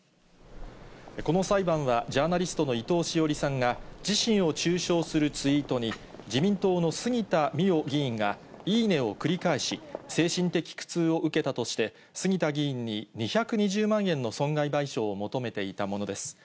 この裁判は、ジャーナリストの伊藤詩織さんが自身を中傷するツイートに、自民党の杉田水脈議員が、いいねを繰り返し、精神的苦痛を受けたとして、杉田議員に２２０万円の損害賠償を求めていたものです。